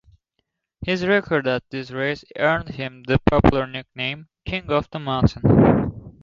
His record at this race earned him the popular nickname "King of the Mountain".